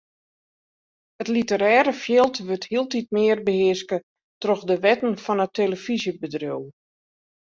It literêre fjild wurdt hieltyd mear behearske troch de wetten fan it telefyzjebedriuw.